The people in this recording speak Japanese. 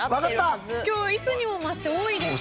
今日はいつにも増して多いですね。